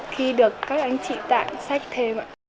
khi được các anh chị tạm sách thêm